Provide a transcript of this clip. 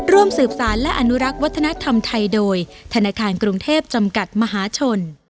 ร่วมสืบสารและอนุรักษ์วัฒนธรรมไทยโดยธนาคารกรุงเทพจำกัดมหาชน